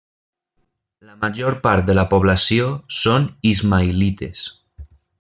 La major part de la població són ismaïlites.